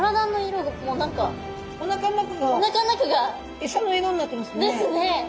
おなかの中がエサの色になってますね。ですね。